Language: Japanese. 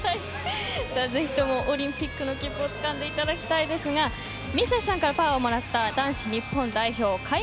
ぜひ、オリンピックの切符をつかんでいただきたいですがミセスさんからパワーをもらった男子日本代表。